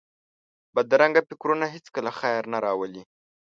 بدرنګه فکرونه هېڅکله خیر نه راولي